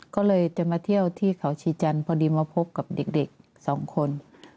ก็เลยจะมาเที่ยวที่เขาชีจันทร์พอดีมาพบกับเด็กสองคน